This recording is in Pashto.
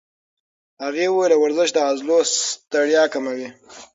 هغې وویل ورزش د عضلو ستړیا کموي.